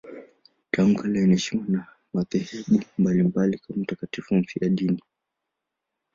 Tangu kale anaheshimiwa na madhehebu mbalimbali kama mtakatifu mfiadini.